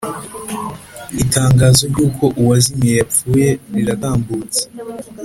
Itangazo ry’uko uwazimiye yapfuye riratambutse